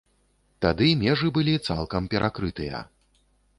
Тады межы былі цалкам перакрытыя.